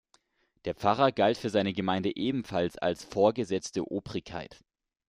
Der Pfarrer galt für seine Gemeinde ebenfalls als "vorgesetzte Obrigkeit".